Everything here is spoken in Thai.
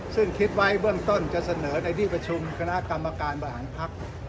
ซึ่งคิดไว้เบื้องต้นจะเสนอในที่ประชุมคณะกรรมการบริหารภักดิ์